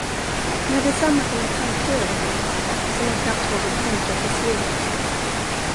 Med detsamma kom en tanke över henne som hon knappt vågade tänka till slut.